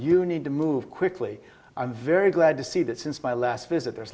untuk memastikan keadaannya lebih baik